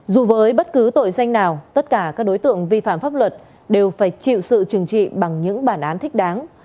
dù với bất cứ tội danh nào tất cả các đối tượng vi phạm pháp luật đều phải chịu sự trừng trị bằng những bản án thích đáng